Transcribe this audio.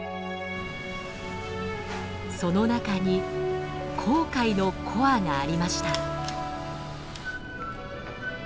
その中に紅海のコアがありました。